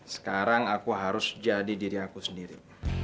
sekarang aku harus jadi diri aku sendiri